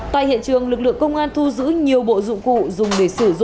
tại hiện trường lực lượng công an thu giữ nhiều bộ dụng cụ dùng để sử dụng chai phép chất ma túy